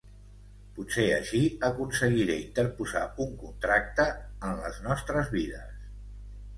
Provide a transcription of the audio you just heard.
Potser així aconseguiré interposar un contracte en les nostres vides.